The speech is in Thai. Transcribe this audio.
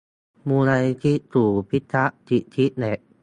มูลนิธิศูนย์พิทักษ์สิทธิเด็ก